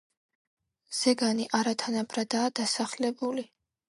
ზეგანი არათანაბრადაა დასახლებული.